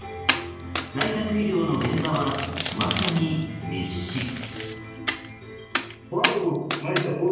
在宅医療の現場は、まさに密室。